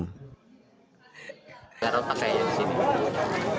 garang pakai yang sini